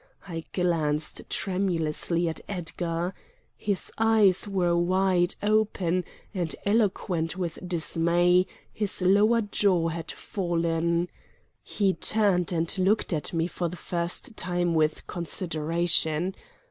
I glanced tremulously at Edgar. His eyes were wide open and, eloquent with dismay, his lower jaw had fallen. He turned and looked at me for the first time with consideration.